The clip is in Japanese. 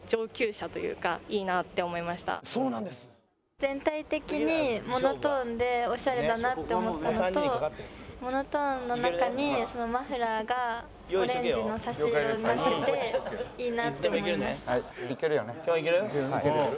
全体的にモノトーンでオシャレだなって思ったのとモノトーンの中にマフラーがオレンジの差し色になってていいなって思いました。